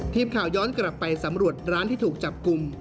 ทีมข่าวย้อนกลับไปสำรวจร้านที่ถูกจับกลุ่ม